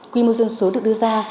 quy mô dân số được đưa ra